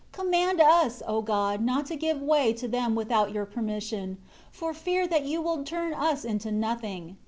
22 Command us, O God, not to give way to them without Your permission, for fear that You will turn us into nothing.